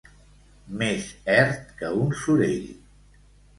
Més ert que un sorell.